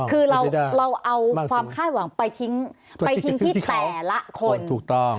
คือเราเอาความคาดหวังไปทิ้งที่แต่ละคน